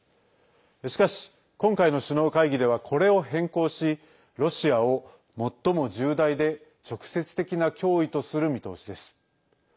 しかし、今回の首脳会議ではこれを変更しロシアを最も重大で直接的な脅威とする見通しです。